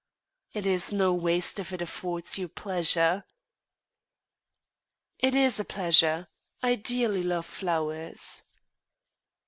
"It is no waste, if it afford you pleasure." "It is a pleasure. I dearly love flowers."